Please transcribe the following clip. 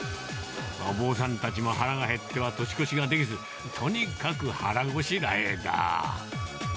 お坊さんたちも腹が減っては年越しができず、とにかく腹ごしらえだ。